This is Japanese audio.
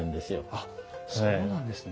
あっそうなんですね。